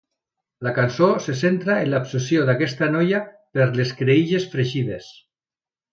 La cançó se centra en l'obsessió d'aquesta noia per les creïlles fregides.